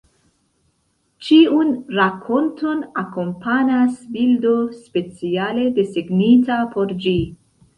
Ĉiun rakonton akompanas bildo speciale desegnita por ĝi.